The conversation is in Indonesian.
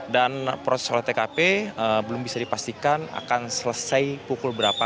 dan proses oleh tkp belum bisa dipastikan akan selesai pukul berapa